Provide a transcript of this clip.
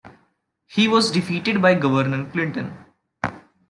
He was defeated by Governor Clinton.